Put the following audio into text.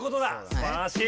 すばらしい！